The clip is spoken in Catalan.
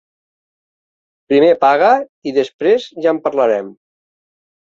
Primer paga i després ja en parlarem.